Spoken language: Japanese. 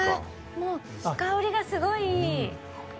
もう香りがすごいいい。